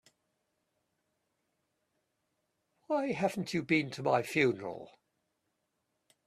Why haven't you been to my funeral?